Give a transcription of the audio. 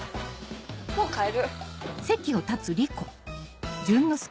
もう帰る。